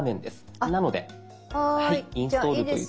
なので「インストール」という。